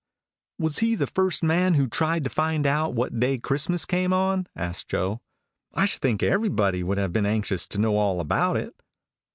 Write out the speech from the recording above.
"Was he the first man who tried to find out what day Christmas came on?" asked Joe. "I should think everybody would have been anxious to know all about it."